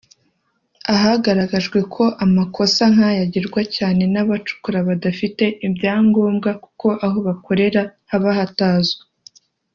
ahagaragajwe ko amakosa nk’aya agirwa cyane n’aba bacukura badafite ibyangombwa kuko aho bakorera haba batazwi